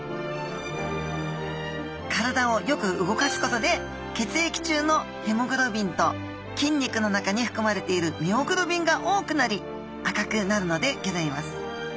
体をよく動かすことで血液中のヘモグロビンと筋肉の中にふくまれているミオグロビンが多くなり赤くなるのでギョざいます。